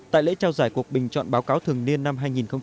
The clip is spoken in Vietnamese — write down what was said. tại lễ trao giải cuộc bình chọn báo cáo thường niên năm hai nghìn một mươi chín